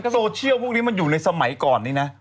โซเชียลพวกนี้มันอยู่ในสมัยก่อนนี้นะ